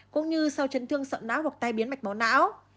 cũng như sau chấn thương sọ não hoặc tai biến mạch máu não